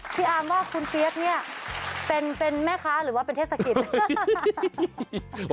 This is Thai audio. พี่อาร์มว่าคุณเปี๊ยกเนี่ยเป็นแม่ค้าหรือว่าเป็นเทศกิจ